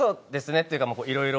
っていうかもういろいろ。